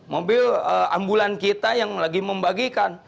mobil ambulan kita yang lagi membagikan